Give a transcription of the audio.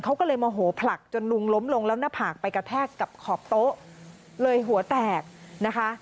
เขาก็เลยโมโหผลักจนลุงล้มลงแล้วหน้าผากไปกระแทกกับขอบโต๊ะเลยหัวแตกนะคะ